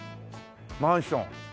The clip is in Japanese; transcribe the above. マンション。